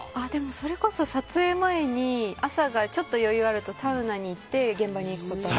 それこそ、撮影前に朝がちょっと余裕あるとサウナに行って現場に行くことがあって。